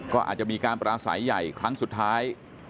ก็อาจจะมีการปราศัยใหญ่ครั้งสุดท้าย